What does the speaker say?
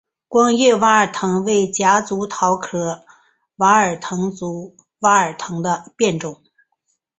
光叶娃儿藤为夹竹桃科娃儿藤属娃儿藤的变种。